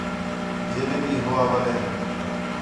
جیلے بھی ہو اولے